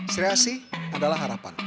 sri asi adalah harapan